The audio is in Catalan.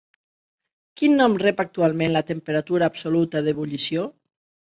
Quin nom rep actualment la temperatura absoluta d'ebullició?